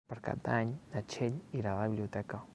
Per Cap d'Any na Txell irà a la biblioteca.